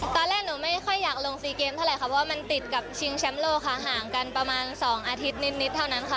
ตอนแรกหนูไม่ค่อยอยากลงซีเกมเท่าไหร่ค่ะเพราะว่ามันติดกับชิงแชมป์โลกค่ะห่างกันประมาณ๒อาทิตย์นิดเท่านั้นค่ะ